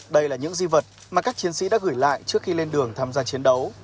đây là những di vật mà các chiến sĩ đã gửi lại trước khi lên đường tham gia chiến đấu